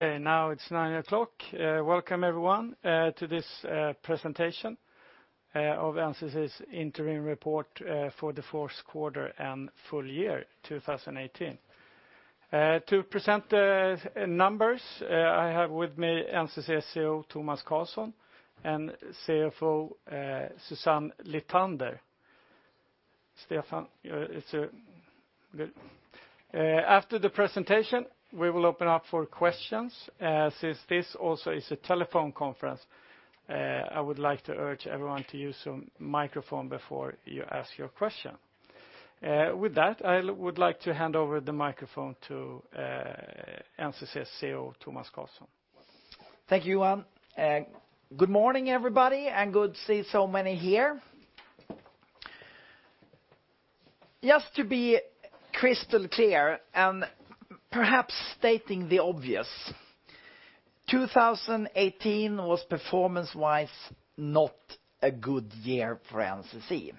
Okay, now it's 9:00 A.M. Welcome everyone to this presentation of NCC's interim report for the fourth quarter and full year 2018. To present the numbers, I have with me NCC CEO Tomas Carlsson and CFO Susanne Lithander. Stefan, it's good. After the presentation, we will open up for questions. Since this also is a telephone conference, I would like to urge everyone to use your microphone before you ask your question. With that, I would like to hand over the microphone to NCC CEO Tomas Carlsson. Thank you, Johan. Good morning, everybody, and good to see so many here. Just to be crystal clear, and perhaps stating the obvious, 2018 was, performance-wise, not a good year for NCC.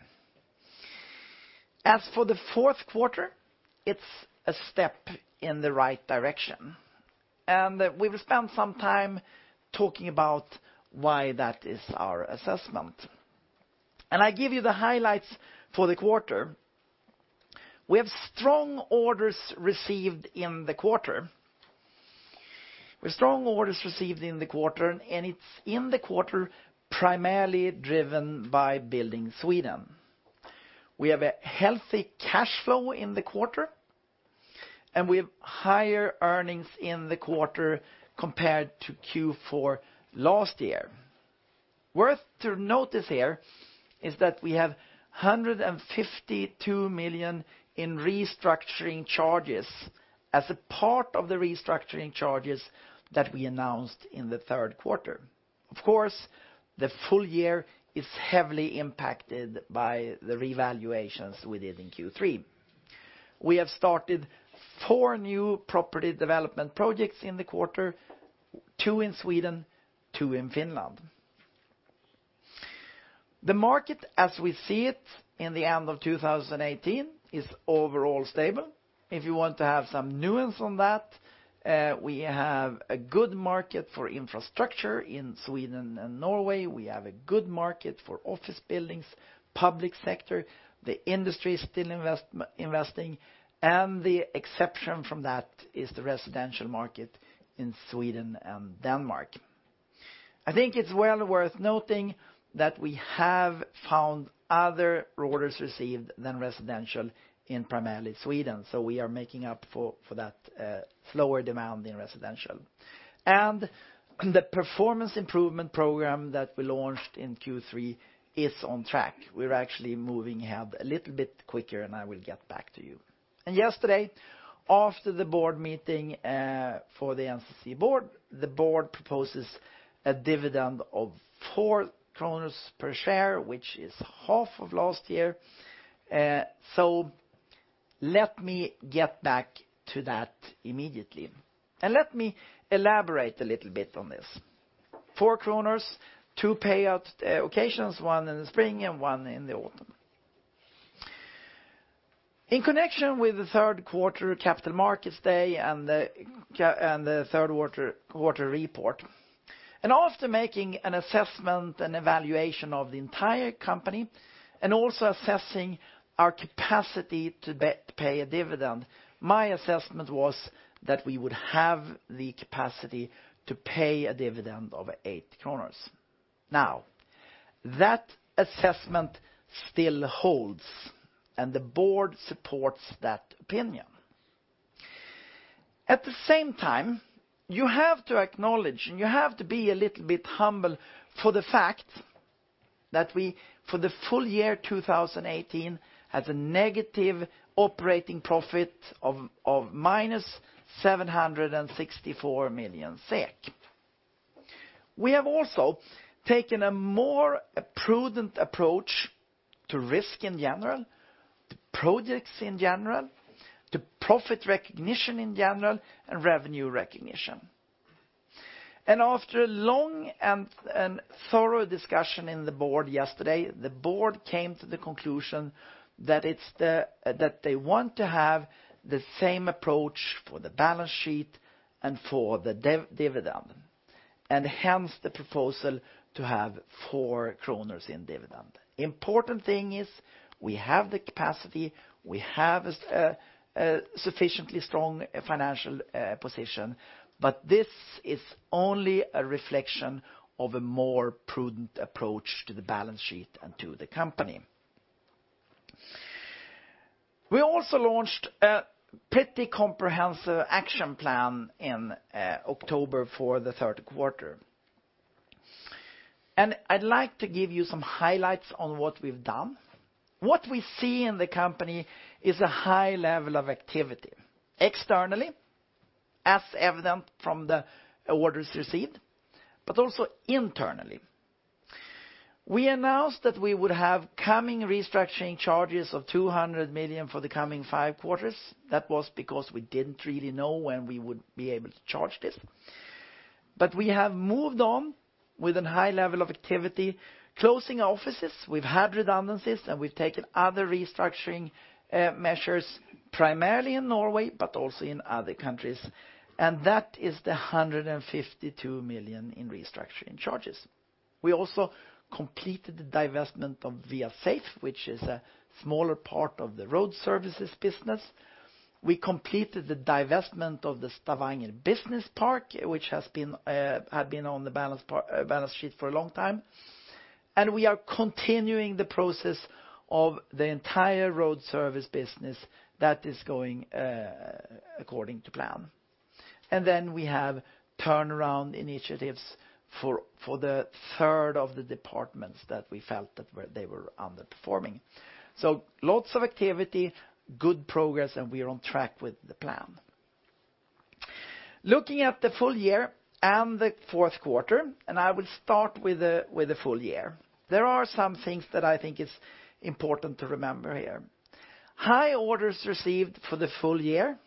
As for the fourth quarter, it's a step in the right direction, and we will spend some time talking about why that is our assessment. I give you the highlights for the quarter. We have strong orders received in the quarter. We have strong orders received in the quarter, and it's in the quarter, primarily driven by Building Sweden. We have a healthy cash flow in the quarter, and we have higher earnings in the quarter compared to Q4 last year. Worth to notice here is that we have 152 million in restructuring charges as a part of the restructuring charges that we announced in the third quarter. Of course, the full year is heavily impacted by the revaluations we did in Q3. We have started 4 new property development projects in the quarter, 2 in Sweden, 2 in Finland. The market as we see it in the end of 2018 is overall stable. If you want to have some nuance on that, we have a good market for infrastructure in Sweden and Norway. We have a good market for office buildings, public sector, the industry is still investing, and the exception from that is the residential market in Sweden and Denmark. I think it's well worth noting that we have found other orders received than residential in primarily Sweden, so we are making up for, for that, slower demand in residential. And the performance improvement program that we launched in Q3 is on track. We're actually moving ahead a little bit quicker, and I will get back to you. Yesterday, after the board meeting for the NCC board, the board proposes a dividend of 4 kronor per share, which is half of last year. So let me get back to that immediately, and let me elaborate a little bit on this. 4 kronor, two payout occasions, one in the spring and one in the autumn. In connection with the third quarter capital markets day and the third quarter report, and after making an assessment and evaluation of the entire company, and also assessing our capacity to pay a dividend, my assessment was that we would have the capacity to pay a dividend of 8 kronor. Now, that assessment still holds, and the board supports that opinion. At the same time, you have to acknowledge, and you have to be a little bit humble for the fact that we, for the full year 2018, had a negative operating profit of minus 764 million SEK. We have also taken a more prudent approach to risk in general, to projects in general, to profit recognition in general, and revenue recognition. And after a long and thorough discussion in the board yesterday, the board came to the conclusion that it's that they want to have the same approach for the balance sheet and for the dividend, and hence, the proposal to have 4 kronor in dividend. Important thing is we have the capacity, we have a sufficiently strong financial position, but this is only a reflection of a more prudent approach to the balance sheet and to the company. We also launched a pretty comprehensive action plan in October for the third quarter. I'd like to give you some highlights on what we've done. What we see in the company is a high level of activity, externally, as evident from the orders received, but also internally. We announced that we would have coming restructuring charges of 200 million for the coming five quarters. That was because we didn't really know when we would be able to charge this.... We have moved on with a high level of activity, closing offices. We've had redundancies, and we've taken other restructuring measures, primarily in Norway, but also in other countries, and that is the 152 million in restructuring charges. We also completed the divestment of ViaSafe, which is a smaller part of the road services business. We completed the divestment of the Stavanger Business Park, which had been on the balance sheet for a long time. And we are continuing the process of the entire road service business that is going according to plan. And then we have turnaround initiatives for the third of the departments that we felt were underperforming. So lots of activity, good progress, and we are on track with the plan. Looking at the full year and the fourth quarter, and I will start with the full year. There are some things that I think is important to remember here. High orders received for the full year.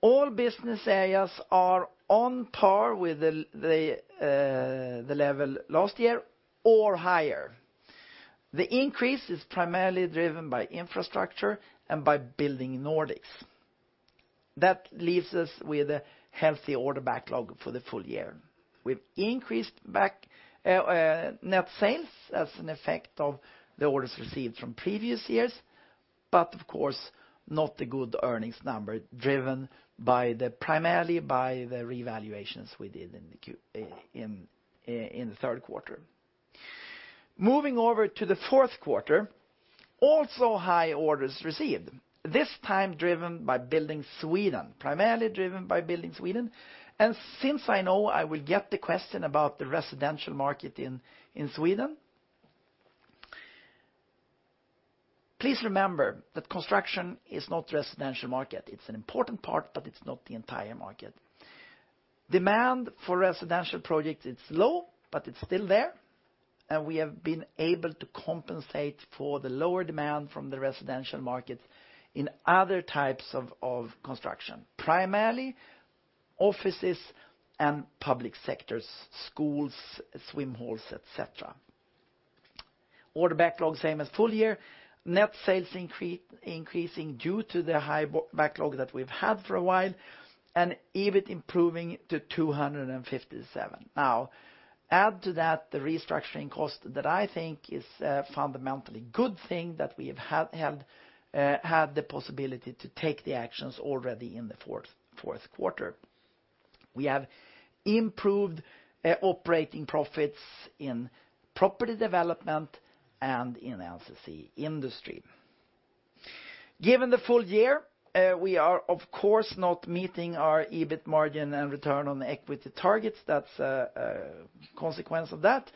All business areas are on par with the level last year or higher. The increase is primarily driven by Infrastructure and by Building Nordics. That leaves us with a healthy order backlog for the full year. We've increased net sales as an effect of the orders received from previous years, but of course, not a good earnings number, driven primarily by the revaluations we did in the third quarter. Moving over to the fourth quarter, also high orders received, this time driven by Building Sweden, primarily driven by Building Sweden. And since I know I will get the question about the residential market in Sweden, please remember that construction is not residential market. It's an important part, but it's not the entire market. Demand for residential project, it's low, but it's still there, and we have been able to compensate for the lower demand from the residential market in other types of construction, primarily offices and public sectors, schools, swim halls, et cetera. Order backlog, same as full year. Net sales increasing due to the high backlog that we've had for a while, and EBIT improving to 257. Now, add to that, the restructuring cost that I think is a fundamentally good thing, that we have had the possibility to take the actions already in the fourth quarter. We have improved operating profits in property development and in NCC Industry. Given the full year, we are, of course, not meeting our EBIT margin and return on equity targets. That's a, a consequence of that.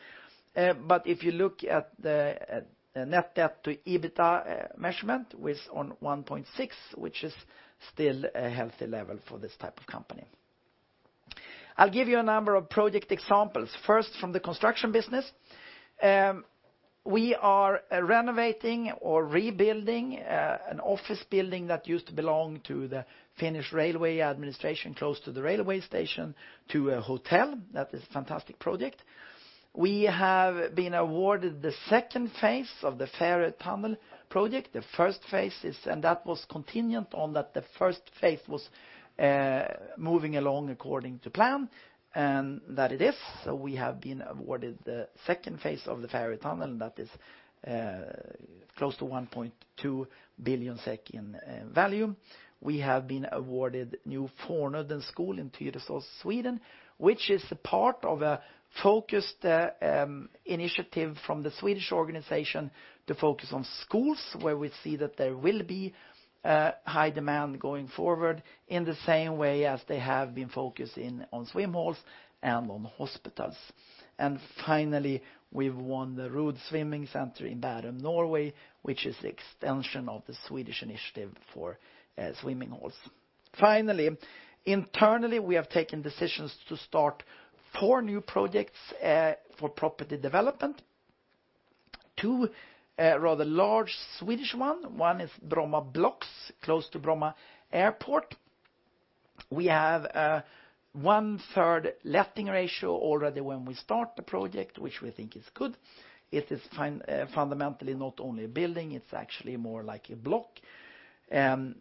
But if you look at the net debt to EBITDA measurement, with 1.6, which is still a healthy level for this type of company. I'll give you a number of project examples, first, from the construction business. We are renovating or rebuilding an office building that used to belong to the Finnish Railway Administration, close to the railway station, to a hotel. That is a fantastic project. We have been awarded the second phase of the Fehmarn Tunnel project. The first phase is- And that was contingent on that the first phase was moving along according to plan, and that it is. So we have been awarded the second phase of the Fehmarn Tunnel, that is, close to 1.2 billion SEK in value. We have been awarded new Fornudden School in Tyresö, Sweden, which is a part of a focused initiative from the Swedish organization to focus on schools, where we see that there will be high demand going forward, in the same way as they have been focused in on swim halls and on hospitals. And finally, we've won the Rud Swimming Center in Bærum, Norway, which is the extension of the Swedish initiative for swimming halls. Finally, internally, we have taken decisions to start four new projects for property development. Two rather large Swedish one, one is Bromma Blocks, close to Bromma Airport. We have one-third letting ratio already when we start the project, which we think is good. It is fundamentally not only a building, it's actually more like a block. And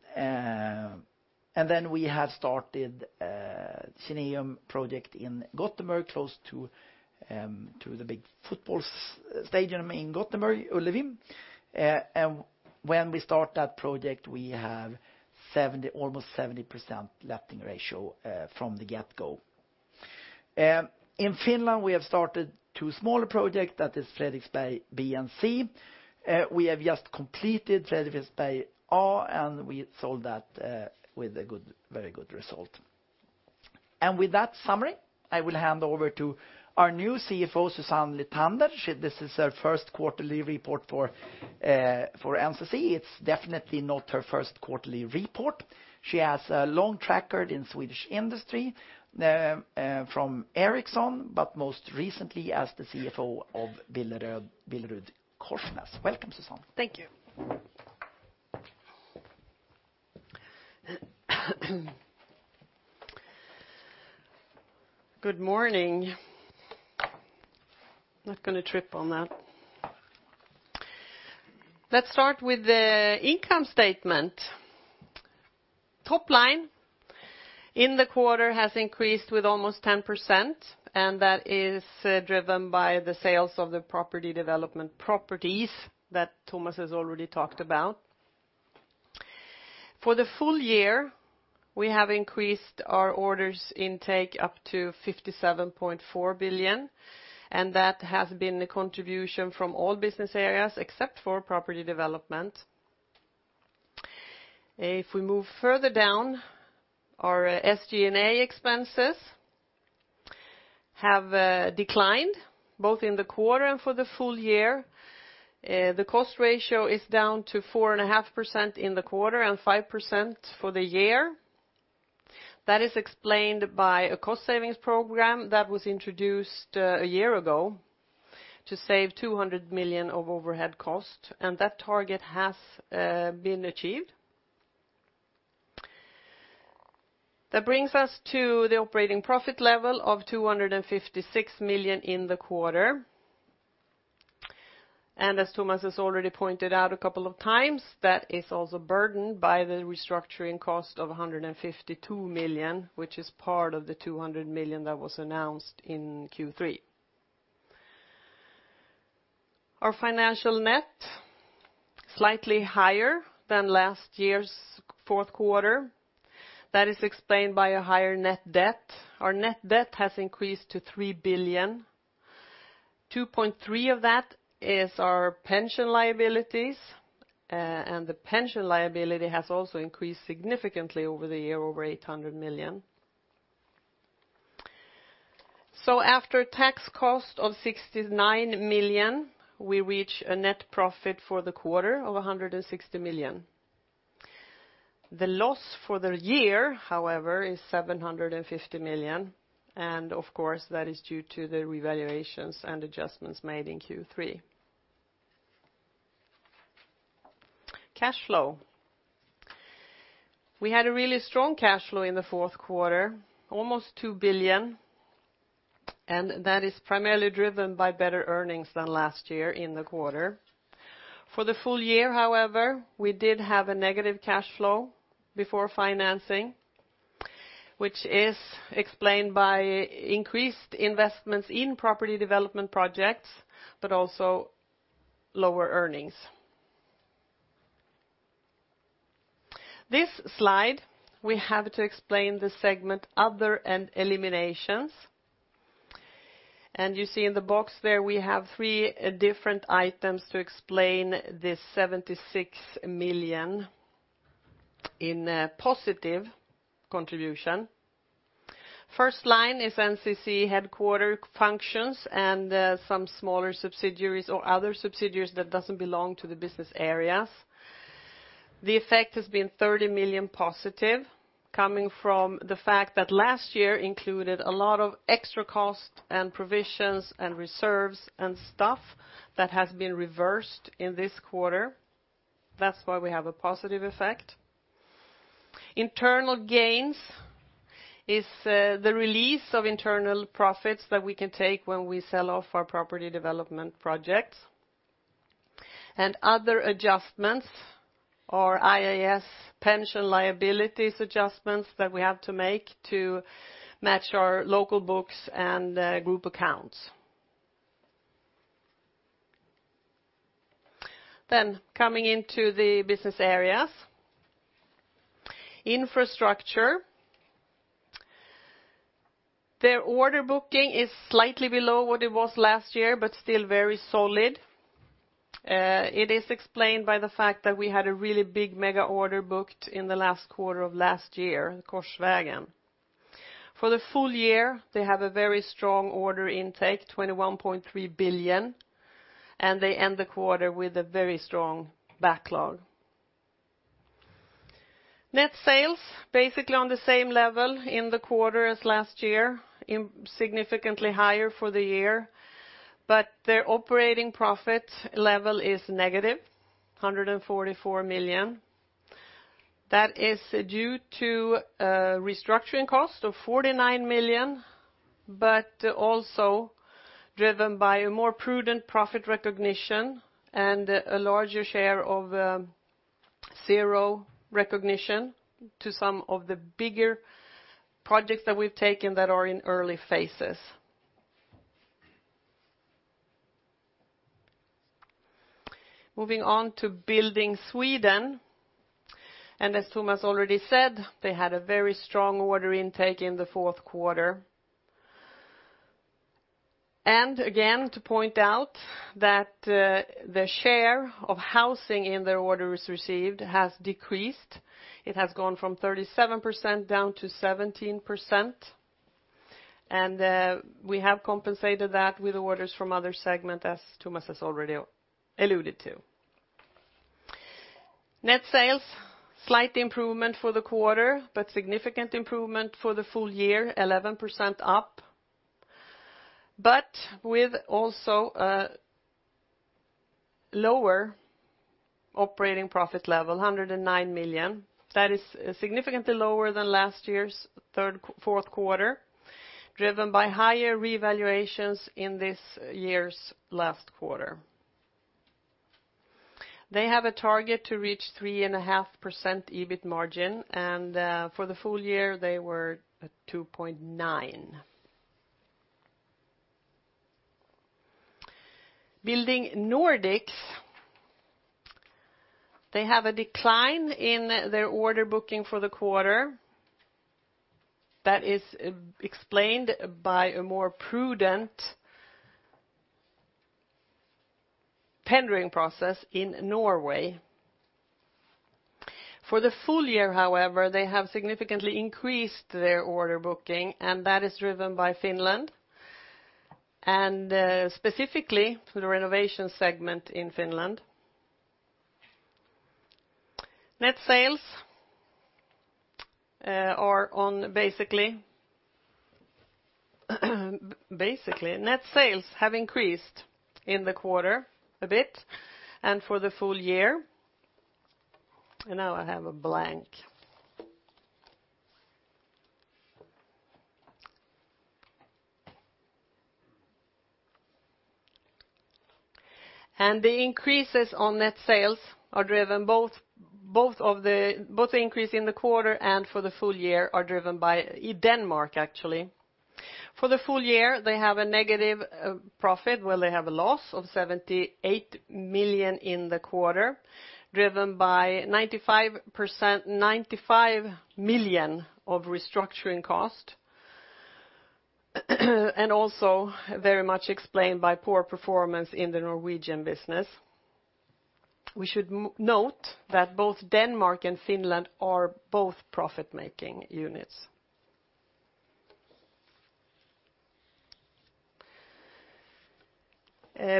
then we have started a Kineum project in Gothenburg, close to, to the big football stadium in Gothenburg, Ullevi. And when we start that project, we have 70, almost 70% letting ratio, from the get-go. In Finland, we have started two smaller project, that is Fredriksberg B and C. We have just completed Fredriksberg A, and we sold that, with a good, very good result. And with that summary, I will hand over to our new CFO, Susanne Lithander. This is her first quarterly report for, for NCC. It's definitely not her first quarterly report. She has a long track record in Swedish industry, from Ericsson, but most recently as the CFO of BillerudKorsnäs. Welcome, Susanne. Thank you. Good morning! Not going to trip on that. Let's start with the income statement. Top line in the quarter has increased with almost 10%, and that is, driven by the sales of the property development properties that Tomas has already talked about. For the full year, we have increased our orders intake up to 57.4 billion, and that has been the contribution from all business areas, except for property development. If we move further down, our SG&A expenses have, declined both in the quarter and for the full year. The cost ratio is down to 4.5% in the quarter and 5% for the year. That is explained by a cost savings program that was introduced, a year ago, to save 200 million of overhead cost, and that target has, been achieved. That brings us to the operating profit level of 256 million in the quarter. And as Thomas has already pointed out a couple of times, that is also burdened by the restructuring cost of 152 million, which is part of the 200 million that was announced in Q3. Our financial net, slightly higher than last year's fourth quarter. That is explained by a higher net debt. Our net debt has increased to 3 billion, 2.3 of that is our pension liabilities, and the pension liability has also increased significantly over the year, over 800 million. So after tax cost of 69 million, we reach a net profit for the quarter of 160 million. The loss for the year, however, is -750 million, and of course, that is due to the revaluations and adjustments made in Q3. Cash flow. We had a really strong cash flow in the fourth quarter, almost 2 billion, and that is primarily driven by better earnings than last year in the quarter. For the full year, however, we did have a negative cash flow before financing, which is explained by increased investments in property development projects, but also lower earnings. This slide, we have to explain the segment Other and Eliminations. You see in the box there, we have 3 different items to explain this 76 million in a positive contribution. First line is NCC headquarters functions and some smaller subsidiaries or other subsidiaries that doesn't belong to the business areas. The effect has been 30 million positive, coming from the fact that last year included a lot of extra cost, and provisions, and reserves, and stuff that has been reversed in this quarter. That's why we have a positive effect. Internal gains is the release of internal profits that we can take when we sell off our property development projects. And other adjustments or IAS pension liabilities adjustments that we have to make to match our local books and group accounts. Then coming into the business areas. Infrastructure. Their order booking is slightly below what it was last year, but still very solid. It is explained by the fact that we had a really big mega order booked in the last quarter of last year, the Korsvägen. For the full year, they have a very strong order intake, 21.3 billion, and they end the quarter with a very strong backlog. Net sales, basically on the same level in the quarter as last year, significantly higher for the year, but their operating profit level is negative, 144 million. That is due to restructuring cost of 49 million, but also driven by a more prudent profit recognition and a larger share of zero recognition to some of the bigger projects that we've taken that are in early phases. Moving on to Building Sweden, and as Tomas already said, they had a very strong order intake in the fourth quarter. And again, to point out that the share of housing in their orders received has decreased. It has gone from 37% down to 17%, and we have compensated that with orders from other segment, as Thomas has already alluded to. Net sales, slight improvement for the quarter, but significant improvement for the full year, 11% up.... but with also a lower operating profit level, 109 million. That is significantly lower than last year's fourth quarter, driven by higher revaluations in this year's last quarter. They have a target to reach 3.5% EBIT margin, and for the full year, they were at 2.9%. Building Nordics, they have a decline in their order booking for the quarter. That is explained by a more prudent tendering process in Norway. For the full year, however, they have significantly increased their order booking, and that is driven by Finland, and specifically through the renovation segment in Finland. Net sales have increased in the quarter a bit, and for the full year. And now I have a blank. And the increases on net sales are driven both the increase in the quarter and for the full year are driven by Denmark, actually. For the full year, they have a negative profit, well, they have a loss of 78 million in the quarter, driven by 95 million of restructuring cost, and also very much explained by poor performance in the Norwegian business. We should note that both Denmark and Finland are both profit-making units.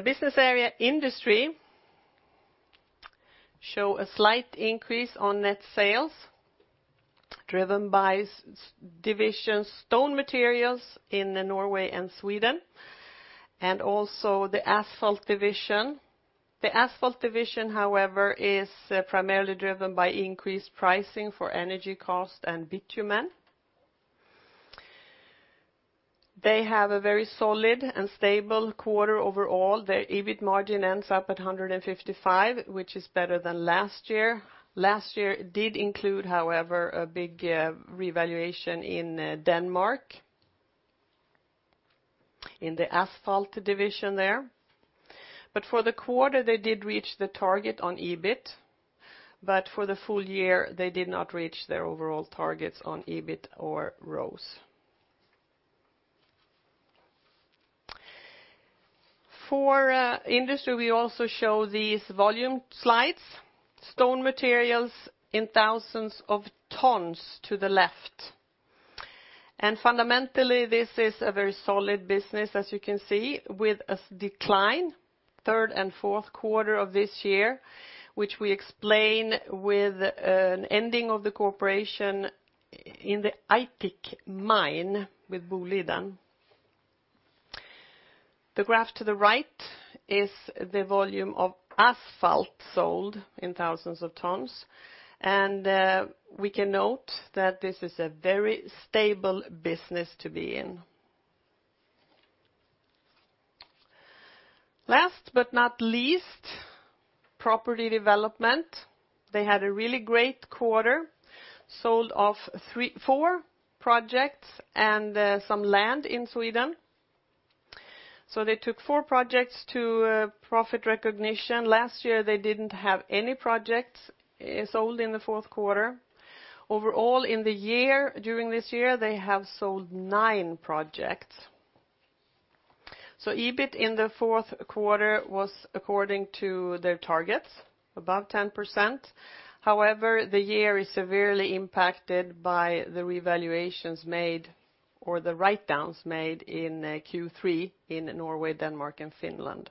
Business area industry show a slight increase on net sales, driven by divisions, stone materials in Norway and Sweden, and also the asphalt division. The asphalt division, however, is primarily driven by increased pricing for energy cost and bitumen. They have a very solid and stable quarter overall. Their EBIT margin ends up at 155, which is better than last year. Last year did include, however, a big revaluation in Denmark, in the asphalt division there. But for the quarter, they did reach the target on EBIT, but for the full year, they did not reach their overall targets on EBIT or ROE. For industry, we also show these volume slides, stone materials in thousands of tons to the left. And fundamentally, this is a very solid business, as you can see, with a decline, third and fourth quarter of this year, which we explain with an ending of the cooperation in the Aitik Mine with Boliden. The graph to the right is the volume of asphalt sold in thousands of tons, and, we can note that this is a very stable business to be in. Last but not least, property development. They had a really great quarter, sold off 3-4 projects and, some land in Sweden. So they took 4 projects to, profit recognition. Last year, they didn't have any projects, sold in the fourth quarter. Overall, in the year, during this year, they have sold 9 projects. So EBIT in the fourth quarter was according to their targets, above 10%. However, the year is severely impacted by the revaluations made or the write-downs made in Q3 in Norway, Denmark, and Finland.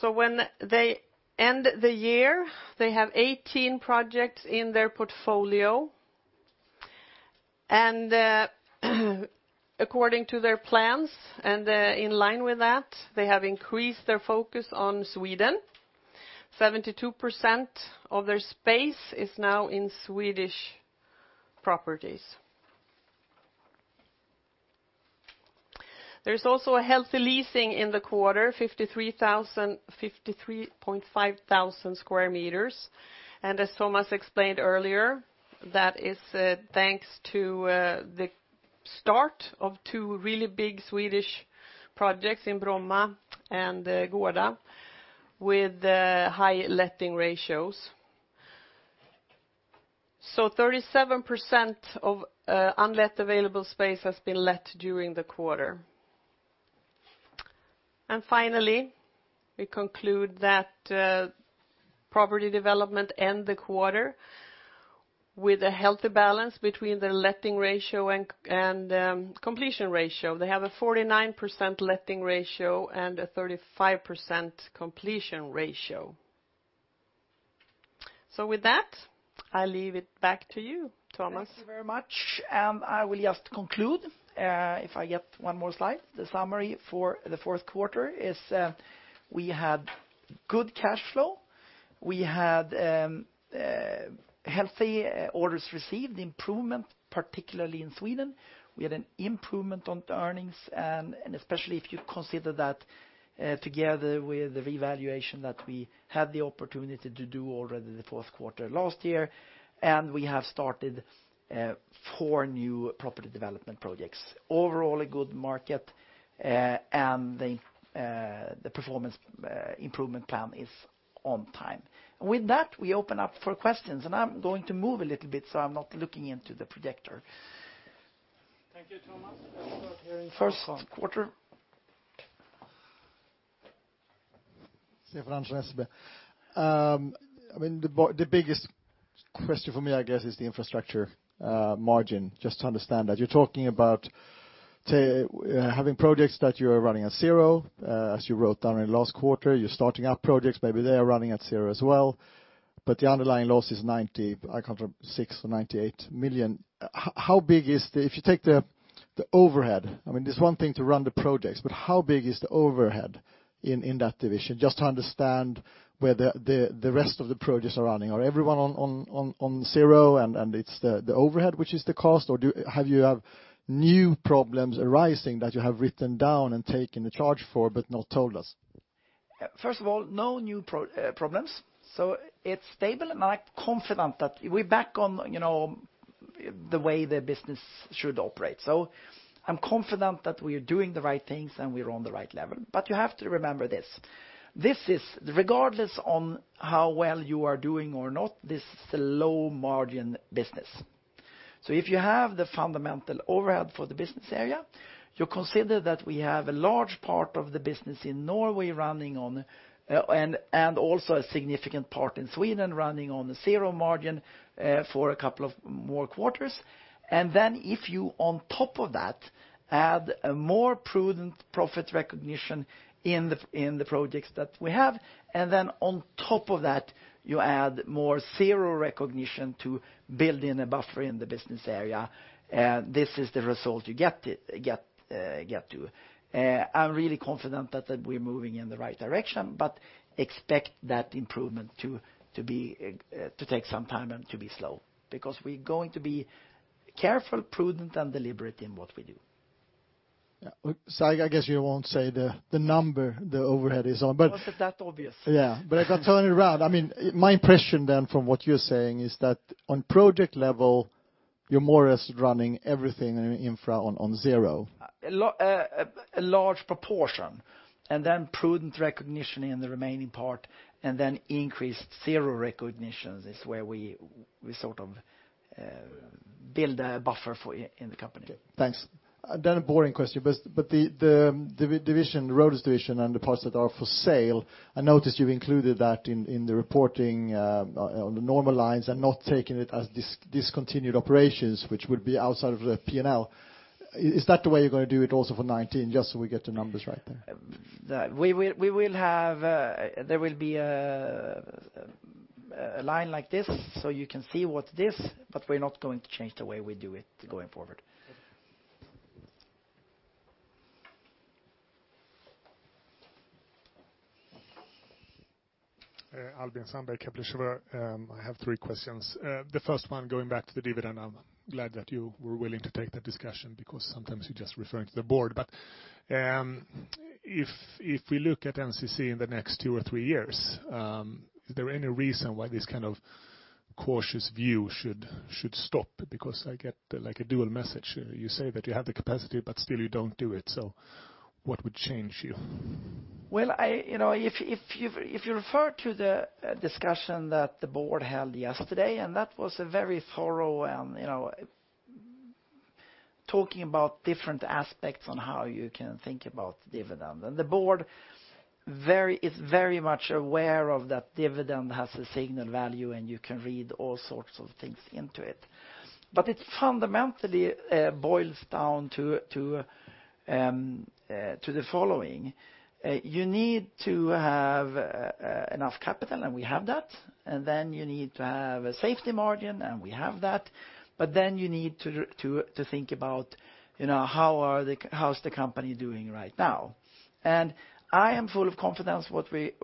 When they end the year, they have 18 projects in their portfolio, and, according to their plans, in line with that, they have increased their focus on Sweden. 72% of their space is now in Swedish properties. There's also a healthy leasing in the quarter, 53,500 sq m, and as Tomas explained earlier, that is thanks to the start of two really big Swedish projects in Bromma and Gårda, with high letting ratios. Thirty-seven percent of unlet available space has been let during the quarter. Finally, we conclude that property development ends the quarter with a healthy balance between the letting ratio and completion ratio. They have a 49% letting ratio and a 35% completion ratio. With that, I leave it back to you, Tomas. Thank you very much. I will just conclude, if I get one more slide. The summary for the fourth quarter is, we had good cash flow. We had healthy orders received, improvement, particularly in Sweden. We had an improvement on the earnings, and especially if you consider that together with the revaluation that we had the opportunity to do already the fourth quarter last year, and we have started four new property development projects. Overall, a good market, and the performance improvement plan is on time. And with that, we open up for questions, and I'm going to move a little bit, so I'm not looking into the projector. Thank you, Tomas. Let's start here in first quarter. I mean, the biggest question for me, I guess, is the infrastructure margin. Just to understand that, you're talking about, say, having projects that you are running at zero, as you wrote down in the last quarter. You're starting up projects, maybe they are running at zero as well, but the underlying loss is 96 million or 98 million. How big is the... If you take the overhead, I mean, it's one thing to run the projects, but how big is the overhead in that division? Just to understand where the rest of the projects are running. Are everyone on zero, and it's the overhead which is the cost, or do you have new problems arising that you have written down and taken the charge for, but not told us? First of all, no new problems, so it's stable, and I'm confident that we're back on, you know, the way the business should operate. So I'm confident that we are doing the right things, and we are on the right level. But you have to remember this: this is, regardless on how well you are doing or not, this is a low-margin business. So if you have the fundamental overhead for the business area, you consider that we have a large part of the business in Norway running on, and also a significant part in Sweden, running on a zero margin, for a couple of more quarters. And then, if you, on top of that, add a more prudent profit recognition in the projects that we have, and then on top of that, you add more zero recognition to build in a buffer in the business area, this is the result you get to. I'm really confident that we're moving in the right direction, but expect that improvement to take some time and to be slow, because we're going to be careful, prudent, and deliberate in what we do. Yeah. So I guess you won't say the number the overhead is on, but- Was it that obvious? Yeah. But I can turn it around. I mean, my impression then, from what you're saying, is that on project level, you're more or less running everything in infra on zero. A large proportion, and then prudent recognition in the remaining part, and then increased zero recognitions is where we sort of build a buffer for you in the company. Okay. Thanks. Then a boring question, but the division, the roads division and the parts that are for sale, I noticed you've included that in the reporting on the normal lines and not taking it as discontinued operations, which would be outside of the P&L. Is that the way you're going to do it also for 2019, just so we get the numbers right there? We will have a line like this, so you can see what's this, but we're not going to change the way we do it going forward. Okay. Albin Sandberg, Kepler Cheuvreux. I have three questions. The first one, going back to the dividend, I'm glad that you were willing to take that discussion, because sometimes you're just referring to the board. But, if, if we look at NCC in the next two or three years, is there any reason why this kind of cautious view should, should stop? Because I get, like, a dual message. You say that you have the capacity, but still you don't do it, so what would change you? Well, you know, if you refer to the discussion that the board held yesterday, and that was a very thorough and, you know, talking about different aspects on how you can think about dividend. And the board is very much aware of that dividend has a signal value, and you can read all sorts of things into it. But it fundamentally boils down to the following: You need to have enough capital, and we have that, and then you need to have a safety margin, and we have that, but then you need to think about, you know, how's the company doing right now? And I am full of confidence what we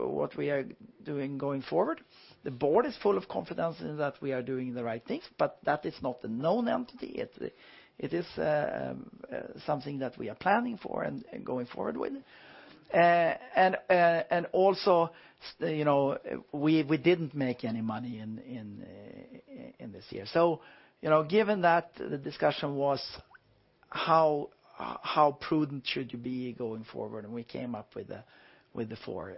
are doing going forward. The board is full of confidence in that we are doing the right things, but that is not a known entity. It is something that we are planning for and going forward with. And also, you know, we didn't make any money in this year. So, you know, given that, the discussion was how prudent should you be going forward, and we came up with 4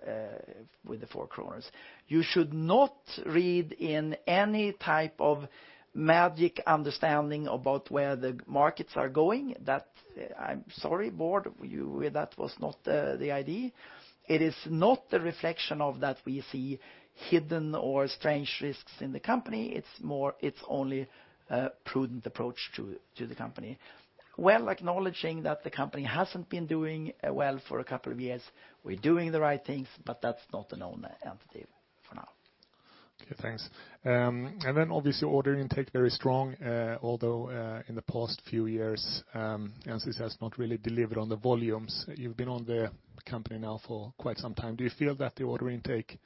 kronor. You should not read in any type of magic understanding about where the markets are going. That, I'm sorry, Board, that was not the idea. It is not a reflection of that we see hidden or strange risks in the company. It's more, it's only a prudent approach to the company. Well, acknowledging that the company hasn't been doing well for a couple of years, we're doing the right things, but that's not a known entity for now. ... Okay, thanks. And then obviously order intake very strong, although, in the past few years, NCC has not really delivered on the volumes. You've been on the company now for quite some time. Do you feel that the order intake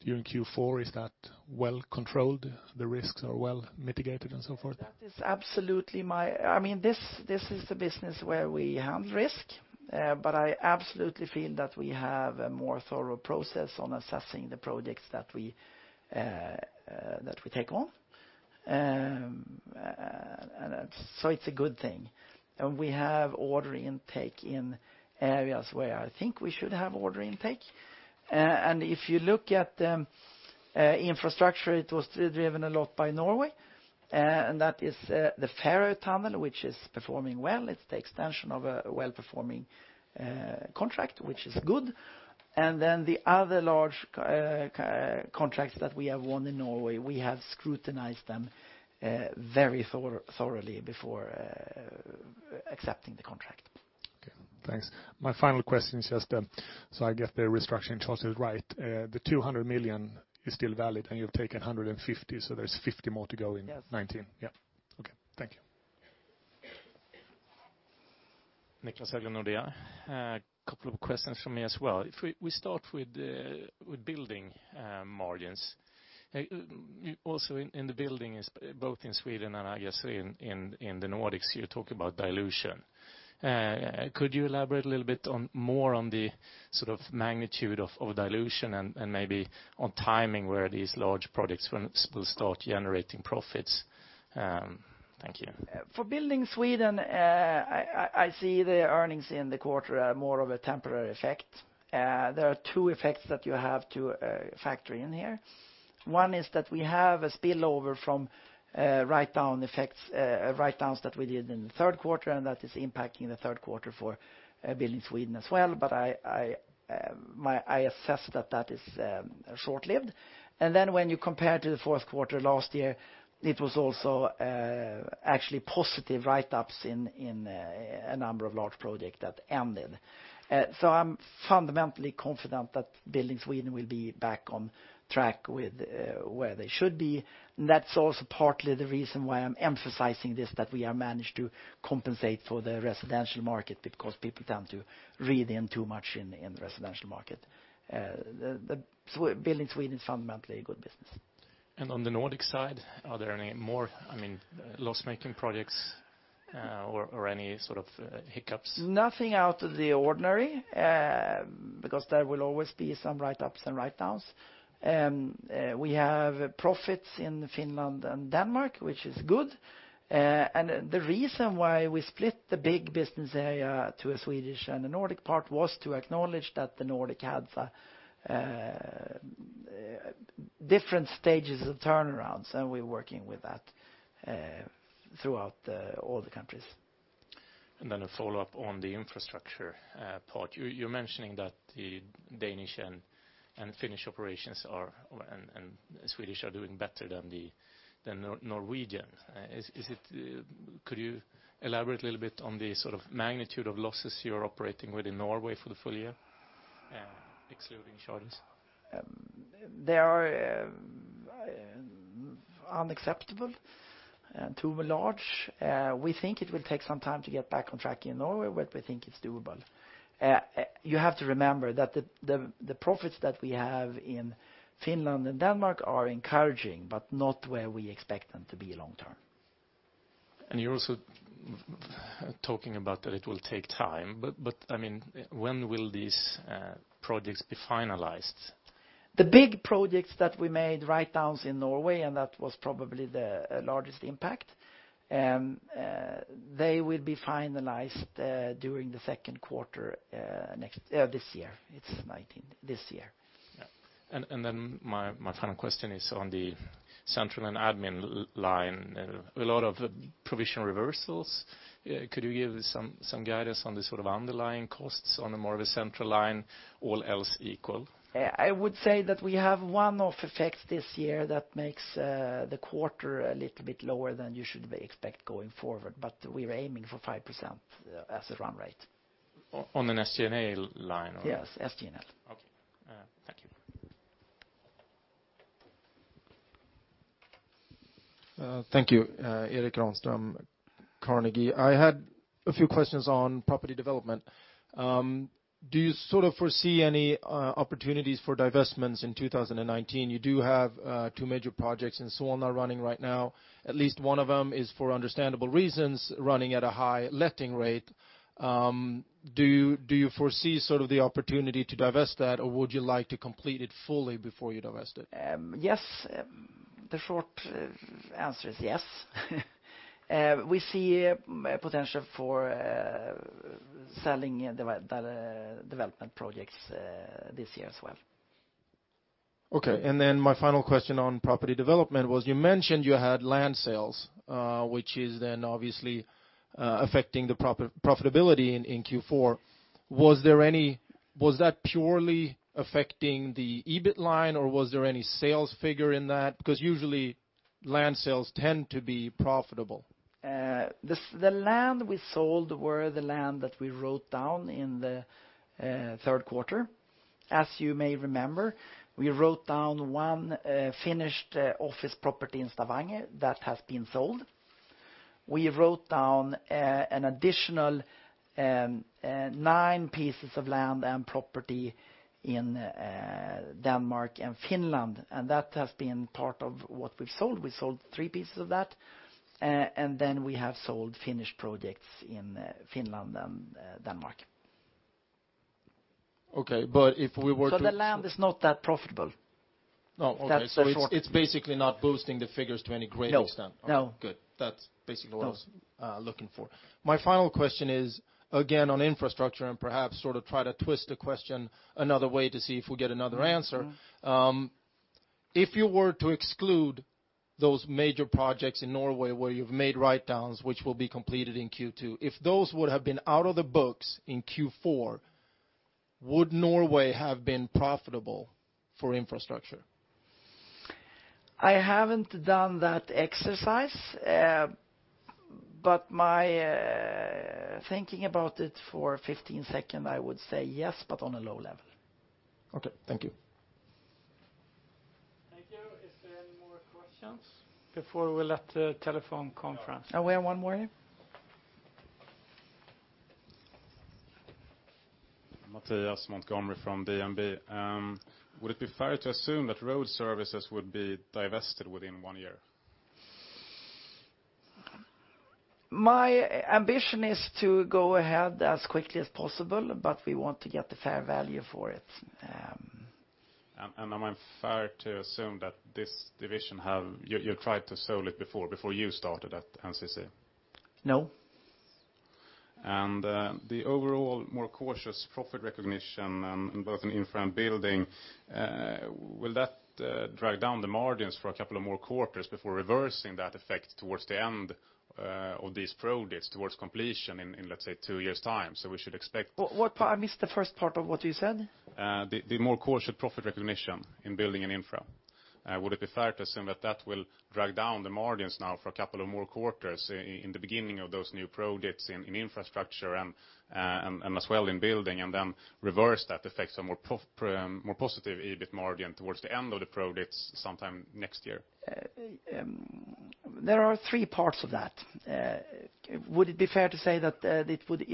during Q4 is well controlled, the risks are well mitigated and so forth? That is absolutely—I mean, this, this is the business where we handle risk, but I absolutely feel that we have a more thorough process on assessing the projects that we, that we take on. And so it's a good thing. And we have order intake in areas where I think we should have order intake. And if you look at, infrastructure, it was driven a lot by Norway, and that is, the Follo Tunnel, which is performing well. It's the extension of a well-performing contract, which is good. And then the other large contracts that we have won in Norway, we have scrutinized them very thoroughly before accepting the contract. Okay, thanks. My final question is just, so I get the restructuring choices right. The 200 million is still valid, and you've taken 150, so there's 50 more to go in- Yes. Yeah. Okay. Thank you. Niklas Haglund, Nordea. A couple of questions from me as well. If we start with building margins, you also in the building is both in Sweden and I guess in the Nordics, you talk about dilution. Could you elaborate a little bit on more on the sort of magnitude of dilution and maybe on timing, where these large projects will start generating profits? Thank you. For Building Sweden, I see the earnings in the quarter are more of a temporary effect. There are two effects that you have to factor in here. One is that we have a spillover from write-down effects, write-downs that we did in the third quarter, and that is impacting the third quarter for Building Sweden as well. But I assess that that is short-lived. And then when you compare to the fourth quarter last year, it was also actually positive write-ups in a number of large projects that ended. So I'm fundamentally confident that Building Sweden will be back on track with where they should be. That's also partly the reason why I'm emphasizing this, that we have managed to compensate for the residential market, because people tend to read in too much in the residential market. Building Sweden is fundamentally a good business. On the Nordic side, are there any more, I mean, loss-making projects, or any sort of hiccups? Nothing out of the ordinary, because there will always be some write-ups and write-downs. We have profits in Finland and Denmark, which is good. And the reason why we split the big business area to a Swedish and a Nordic part was to acknowledge that the Nordic had different stages of turnarounds, and we're working with that throughout all the countries. And then a follow-up on the infrastructure part. You're mentioning that the Danish and Finnish operations are and Swedish are doing better than the Norwegian. Could you elaborate a little bit on the sort of magnitude of losses you're operating with in Norway for the full year, excluding charges? They are unacceptable, too large. We think it will take some time to get back on track in Norway, but we think it's doable. You have to remember that the profits that we have in Finland and Denmark are encouraging, but not where we expect them to be long term. You're also talking about that it will take time, but, I mean, when will these projects be finalized? The big projects that we made write-downs in Norway, and that was probably the largest impact, they will be finalized during the second quarter next, this year. It's 2019, this year. Yeah. And then my final question is on the central and admin line. A lot of provision reversals. Could you give some guidance on the sort of underlying costs on a more of a central line, all else equal? I would say that we have one-off effect this year that makes the quarter a little bit lower than you should expect going forward, but we're aiming for 5% as a run rate. On an SG&A line? Yes, SG&A. Okay. Thank you. Thank you. Erik Granström, Carnegie. I had a few questions on property development. Do you sort of foresee any opportunities for divestments in 2019? You do have two major projects in Solna running right now. At least one of them is, for understandable reasons, running at a high letting rate. Do you foresee sort of the opportunity to divest that, or would you like to complete it fully before you divest it? Yes. The short answer is yes. We see a potential for selling the development projects this year as well. Okay. And then my final question on property development was, you mentioned you had land sales, which is then obviously affecting the profitability in Q4. Was that purely affecting the EBIT line, or was there any sales figure in that? Because usually land sales tend to be profitable? The land we sold were the land that we wrote down in the third quarter. As you may remember, we wrote down one finished office property in Stavanger that has been sold. We wrote down an additional nine pieces of land and property in Denmark and Finland, and that has been part of what we've sold. We sold three pieces of that, and then we have sold finished projects in Finland and Denmark. Okay, but if we were to- The land is not that profitable. No, okay. That's the short- So it's basically not boosting the figures to any great extent? No, no. Good. That's basically what I was- No... looking for. My final question is, again, on infrastructure, and perhaps sort of try to twist the question another way to see if we get another answer. Mm-hmm. If you were to exclude those major projects in Norway where you've made write-downs, which will be completed in Q2, if those would have been out of the books in Q4, would Norway have been profitable for infrastructure? I haven't done that exercise, but my thinking about it for 15 seconds, I would say yes, but on a low level. Okay, thank you. Thank you. Is there any more questions before we let the telephone conference- Oh, we have one more here? Mattias Holmberg from DNB. Would it be fair to assume that road services would be divested within one year? My ambition is to go ahead as quickly as possible, but we want to get the fair value for it. Am I fair to assume that this division have...? You tried to sell it before you started at NCC? No. The overall more cautious profit recognition in both in infra and building will that drag down the margins for a couple of more quarters before reversing that effect towards the end of these projects towards completion in let's say two years' time? So we should expect- What part? I missed the first part of what you said. The more cautious profit recognition in building and infra, would it be fair to assume that that will drag down the margins now for a couple of more quarters in the beginning of those new projects in infrastructure and as well in building, and then reverse that effect, a more positive EBIT margin towards the end of the projects sometime next year? There are three parts of that. Would it be fair to say that it would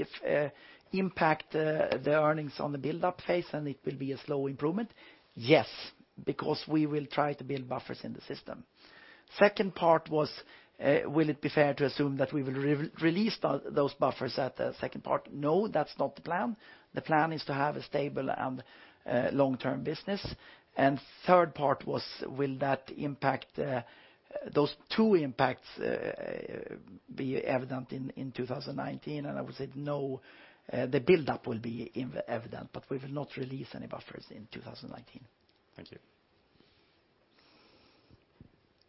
impact the earnings on the buildup phase, and it will be a slow improvement? Yes, because we will try to build buffers in the system. Second part was, will it be fair to assume that we will re-release those buffers at the second part? No, that's not the plan. The plan is to have a stable and long-term business. And third part was, will that impact those two impacts be evident in 2019? And I would say, no, the buildup will be evident, but we will not release any buffers in 2019. Thank you.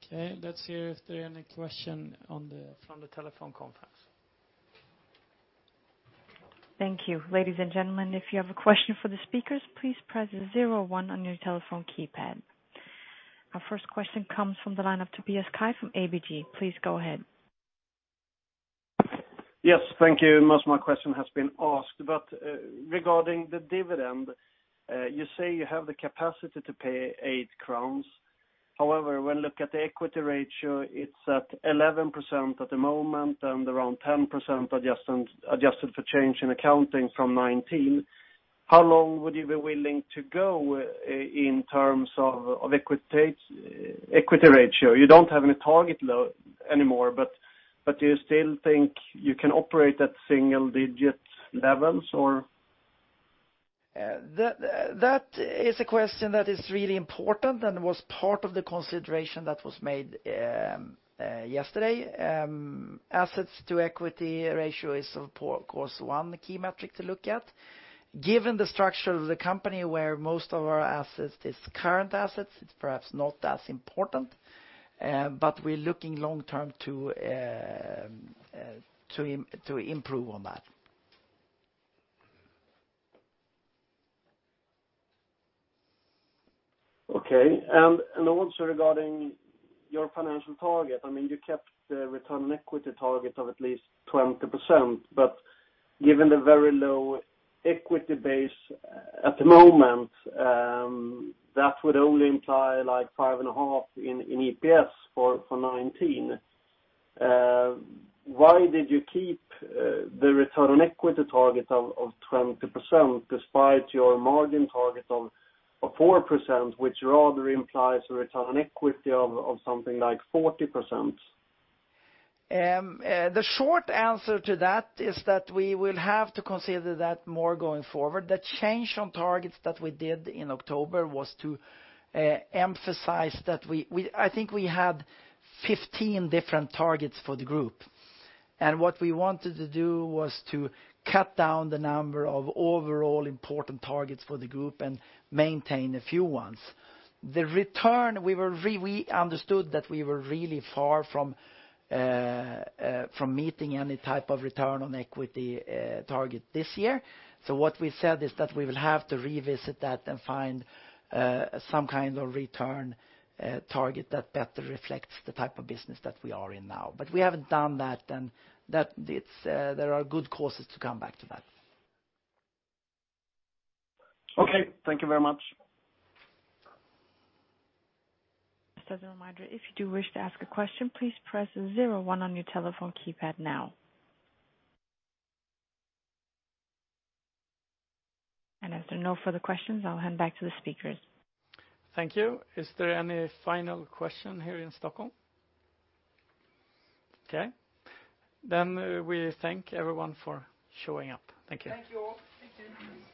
Okay, let's hear if there are any question on the, from the telephone conference. Thank you. Ladies and gentlemen, if you have a question for the speakers, please press zero one on your telephone keypad. Our first question comes from the line of Tobias Kaj from ABG. Please go ahead. Yes, thank you. Most of my question has been asked, but regarding the dividend, you say you have the capacity to pay 8 crowns. However, when look at the equity ratio, it's at 11% at the moment, and around 10% adjusted for change in accounting from 2019. How long would you be willing to go in terms of equity rate, equity ratio? You don't have any target low anymore, but do you still think you can operate at single-digit levels, or? That is a question that is really important and was part of the consideration that was made yesterday. Assets to equity ratio is of course one key metric to look at. Given the structure of the company, where most of our assets is current assets, it's perhaps not as important, but we're looking long-term to improve on that. Okay. And also regarding your financial target, I mean, you kept the return on equity target of at least 20%, but given the very low equity base at the moment, that would only imply like 5.5 in EPS for 2019. Why did you keep the return on equity target of 20% despite your margin target of 4%, which rather implies a return on equity of something like 40%? The short answer to that is that we will have to consider that more going forward. The change on targets that we did in October was to emphasize that we... I think we had 15 different targets for the group, and what we wanted to do was to cut down the number of overall important targets for the group and maintain a few ones. The return, we understood that we were really far from meeting any type of return on equity target this year. So what we said is that we will have to revisit that and find some kind of return target that better reflects the type of business that we are in now. But we haven't done that, and that it's there are good causes to come back to that. Okay, thank you very much. Just as a reminder, if you do wish to ask a question, please press zero one on your telephone keypad now. As there are no further questions, I'll hand back to the speakers. Thank you. Is there any final question here in Stockholm? Okay, then we thank everyone for showing up. Thank you. Thank you all. Thank you.